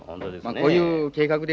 こういう計画ですわ。